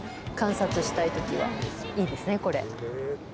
観察したいときはいいですねこれ。